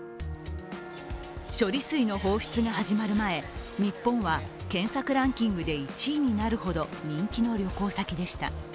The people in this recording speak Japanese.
処理水の放出が始まる前、日本は検索ランキングで１位になるほど人気の旅行先でした。